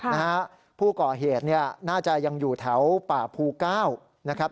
นะฮะผู้ก่อเหตุเนี่ยน่าจะยังอยู่แถวป่าภูเก้านะครับ